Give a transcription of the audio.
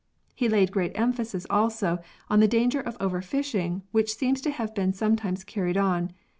He laid great emphasis also on the danger of overfishing which seems to have been sometimes carried on.